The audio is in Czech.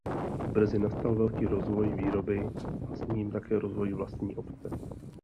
Brzy nastal velký rozvoj výroby a s ním také rozvoj vlastní obce.